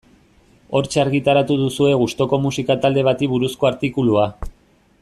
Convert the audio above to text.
Hortxe argitaratu duzue gustuko musika talde bati buruzko artikulua.